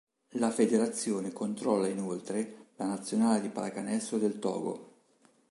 La federazione controlla inoltre la nazionale di pallacanestro del Togo.